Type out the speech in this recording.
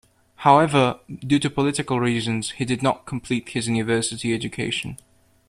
However, due to political reasons he did not complete his university education.